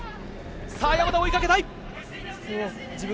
山田、追いかけたい。